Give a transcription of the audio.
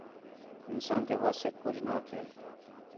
انسان تے وَس ایک کُج نہ تھے